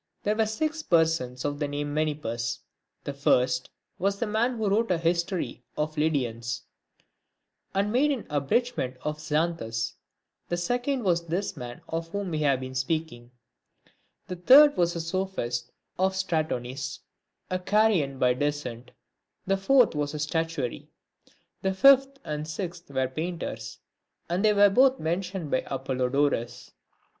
V. There were six persons of the name of Menippus ; the first was the man who wrote a history of the Lydians, and made an abridgment of Xanthus ; the second was this man of whom we have been speaking ; the third was a sophist of Stratonice, a Carian by descent ; the fourth was a statuary : the fifth and the sixth were painters, and they are both men tioned by Apollodorus.